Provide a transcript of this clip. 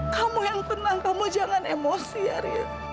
kamu yang tenang kamu jangan emosi ya riz